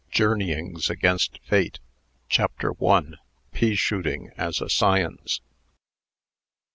JOURNEYINGS AGAINST FATE. CHAPTER I. PEA SHOOTING AS A SCIENCE.